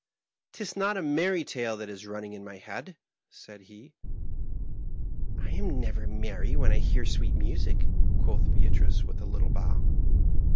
" 'Tis not a merry tale that is running in my head,'^ said he. *'^ I am never merry when I hear sweet music,' " quoth Beatrice^ with a little bow.